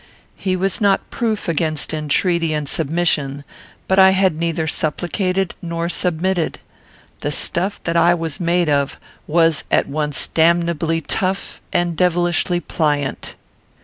He was not proof against entreaty and submission; but I had neither supplicated nor submitted. The stuff that I was made of was at once damnably tough and devilishly pliant.